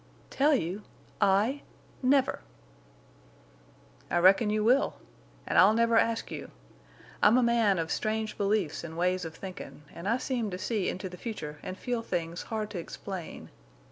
"Tell you! I? Never!" "I reckon you will. An' I'll never ask you. I'm a man of strange beliefs an' ways of thinkin', an' I seem to see into the future an' feel things hard to explain.